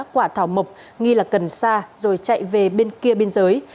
quả thảo mộc nghi là cần sa rồi chạy về bên kia biên giới